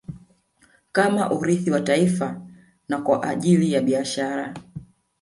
Kama urithi kwa taifa na kwa ajili ya Biashara